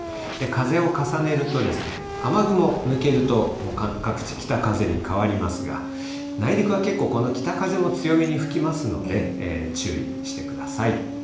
風を重ねると、雨雲抜けると、もう各地、北風に変わりますが、内陸は結構、この北風も強めに吹きますので、注意してください。